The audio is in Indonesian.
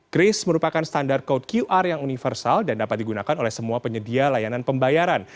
kris merupakan standar code qr yang universal dan dapat digunakan oleh semua penyedia layanan pembayaran